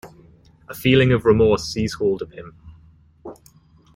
A feeling of remorse seized hold of him.